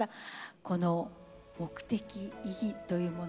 この目的意義というものを。